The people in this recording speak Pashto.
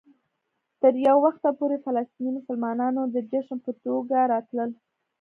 تر یو وخته پورې فلسطيني مسلمانانو د جشن په توګه راتلل.